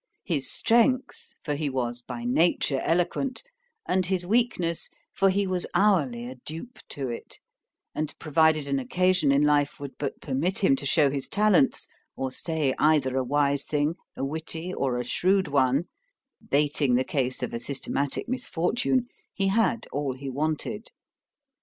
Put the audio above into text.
——His strength—for he was by nature eloquent; and his weakness—for he was hourly a dupe to it; and, provided an occasion in life would but permit him to shew his talents, or say either a wise thing, a witty, or a shrewd one—(bating the case of a systematic misfortune)—he had all he wanted.